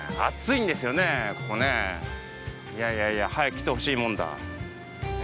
いやいやいや、早く来てほしいもんだ。